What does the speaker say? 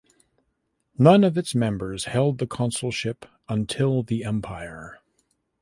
None of its members held the consulship until the Empire.